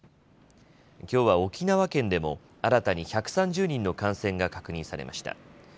きょうは、沖縄県でも新たに１３０人の感染が確認されました。